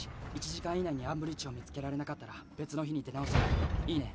１時間以内にアンブリッジを見つけられなかったら別の日に出直そういいね？